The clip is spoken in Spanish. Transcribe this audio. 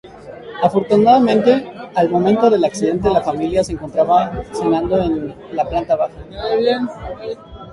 Afortunadamente al momento del accidente la familia se encontraba cenando en la planta baja.